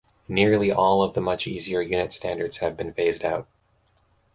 Nearly all of the much easier Unit Standards have been phased out.